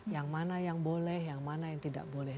yang mana yang boleh yang mana yang tidak boleh